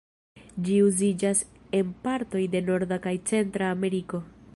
Ĝi uziĝas en partoj de Norda kaj Centra Ameriko.